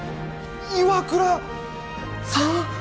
岩倉さん？